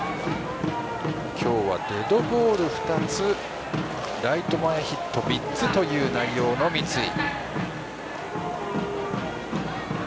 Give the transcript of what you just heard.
今日はデッドボール２つライト前ヒット３つという内容の三井。